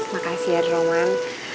makasih ya roman